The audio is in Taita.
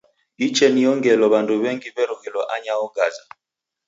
Icheniyo ngelo w'andu w'engi w'erughilwa anyaho Gaza.